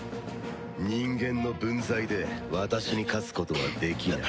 人間の分際で私に勝つことはできない。